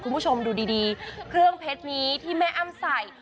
คุณผู้ชมดูดีเครื่องเพชรนี้ที่แม่อ้ำใส่